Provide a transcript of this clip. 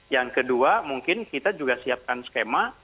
yang kedua mungkin kita juga siapkan skema